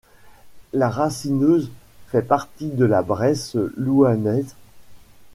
La Racineuse fait partie de la Bresse louhannaise.